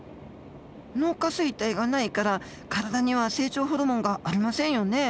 脳下垂体がないから体には成長ホルモンがありませんよね。